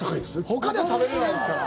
ほかでは食べれないですから。